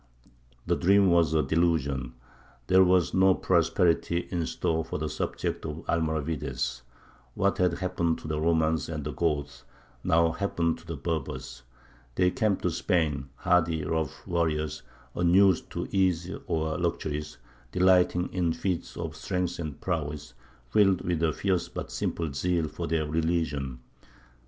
The dream was a delusion. There was no prosperity in store for the subjects of the Almoravides. What had happened to the Romans and the Goths now happened to the Berbers. They came to Spain hardy rough warriors, unused to ease or luxuries, delighting in feats of strength and prowess, filled with a fierce but simple zeal for their religion.